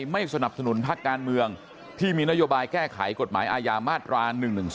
ไม่สนับสนุนพักการเมืองที่มีนโยบายแก้ไขกฎหมายอาญามาตรา๑๑๒